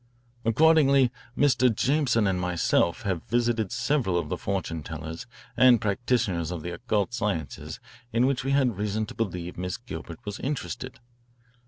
Accordingly, Mr. Jameson and myself have visited several of the fortune tellers and practitioners of the occult sciences in which we had reason to believe Miss Gilbert was interested.